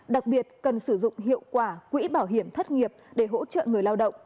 đặc biệt cần sử dụng hiệu quả quỹ bảo hiểm thất nghiệp để hỗ trợ người lao động